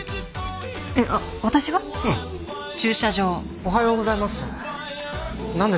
おはようございます。